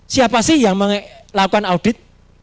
siapa sih yang melakukan audit